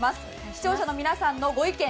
視聴者の皆さんのご意見